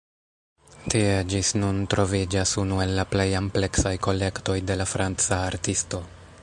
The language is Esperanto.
Tie ĝis nun troviĝas unu el la plej ampleksaj kolektoj de la franca artisto.